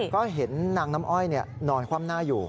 ก็เห็นนางน้ำอ้อยนอนคว่ำหน้าอยู่